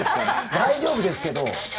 大丈夫ですけど。